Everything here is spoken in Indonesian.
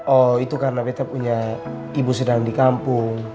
oh itu karena peta punya ibu sedang di kampung